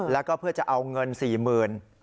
แล้วก็เพื่อจะเอาเงิน๔๐๐๐บาท